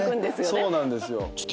そうなんですよ。